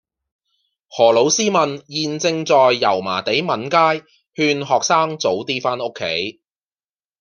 何老師問現正在油麻地閩街勸學生早啲返屋企